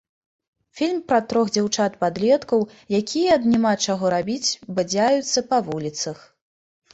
Фільм пра трох дзяўчат-падлеткаў, якія ад няма чаго рабіць бадзяюцца па вуліцах.